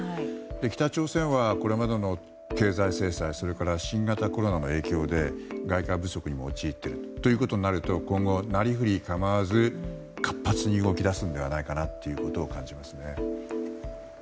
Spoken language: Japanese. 北朝鮮はこれまでの経済制裁それから新型コロナの影響で外貨不足にも陥っているということになると今後、なりふり構わず活発に動き出すのではと感じます。